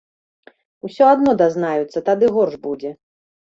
Усё адно дазнаюцца, тады горш будзе.